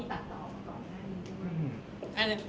แต่เขานะโลศนับทัพที่ฉีดขนาดนี้